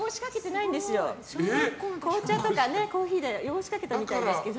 紅茶とかコーヒーで汚しかけたみたいですけど。